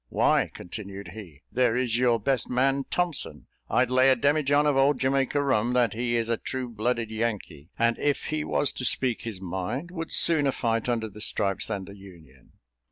Why," continued he, "there is your best man, Thompson; I'd lay a demijohn of old Jamaica rum that he is a true blooded Yankee, and if he was to speak his mind, would sooner fight under the stripes than the Union."